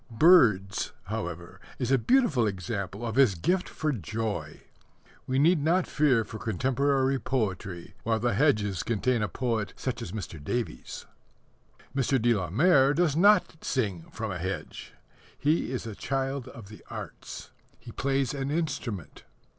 Birds, however, is a beautiful example of his gift for joy. We need not fear for contemporary poetry while the hedges contain a poet such as Mr. Davies. Mr. de la Mare does not sing from a hedge. He is a child of the arts. He plays an instrument.